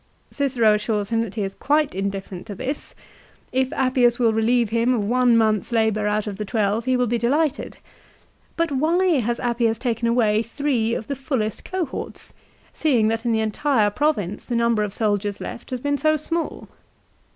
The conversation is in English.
Cicero assures him that he is quite indifferent to this. If Appius will relieve him of one month's labour out of the twelve he will be delighted. But why has Appius taken away three of the fullest cohorts, seeing that in the entire province the number of soldiers left has been so small